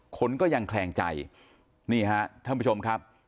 คนก็ยังแคลงใจนี่ฮะท่านผู้ชมครับ